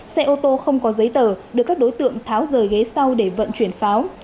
xe ô tô không có giấy tờ được các đối tượng tháo rời ghế sau để vận chuyển pháo